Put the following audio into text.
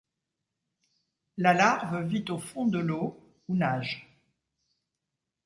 La larve vit au fond de l'eau ou nage.